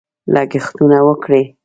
لګښتونه وکړي.